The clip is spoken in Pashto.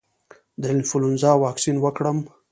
د انفلونزا واکسین وکړم؟